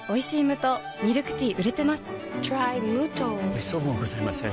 めっそうもございません。